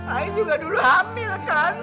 ain juga dulu hamil kan